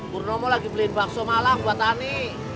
purnomo lagi beliin bakso malam buat ani